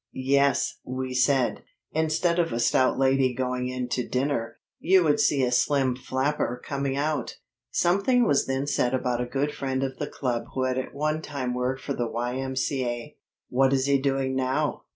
"Yes," we said; "instead of a stout lady going in to dinner, you would see a slim flapper coming out." Something was then said about a good friend of the club who had at one time worked for the Y.M.C.A. "What is he doing now?"